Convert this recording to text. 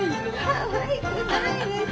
かわいくないです。